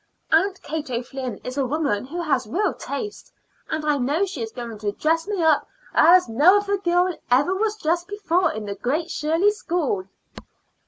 Aunt Katie O'Flynn is a woman who has real taste, and I know she is going to dress me up as no other girl ever was dressed before in the Great Shirley School."